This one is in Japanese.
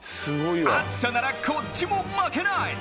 熱さならこっちも負けない。